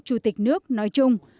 chủ tịch nước nói chung